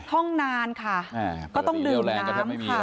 ท่องนานค่ะก็ต้องดื่มน้ำค่ะ